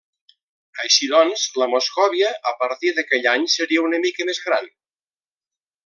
Així doncs, la Moscòvia a partir d'aquell any seria una mica més gran.